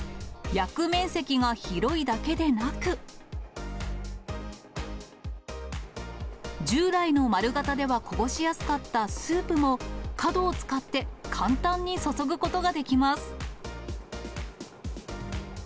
焼く面積が広いだけでなく、従来の円形ではこぼしやすかったスープも、角を使って簡単に注ぐことができます。